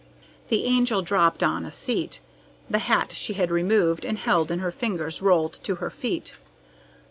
The Angel dropped on a seat the hat she had removed and held in her fingers rolled to her feet.